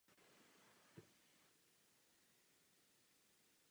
Jeho díla komunistická moc zakázala.